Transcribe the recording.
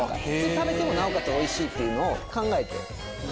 食べてもなおかつおいしいっていうのを考えて。